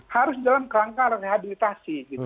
harus dalam kerangka rehabilitasi